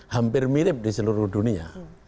hampir mirip di seluruh dunia